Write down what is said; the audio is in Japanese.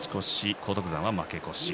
荒篤山が負け越し。